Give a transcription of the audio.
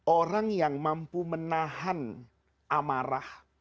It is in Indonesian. orang yang mampu menahan amarah